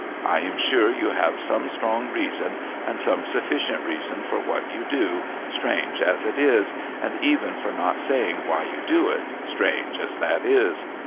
I am sure you have some strong reason and some sufficient reason for what you do, strange as it is, and even for not saying why you do it, strange as that is.